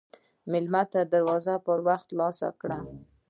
مېلمه ته دروازه پر وخت خلاصه کړه.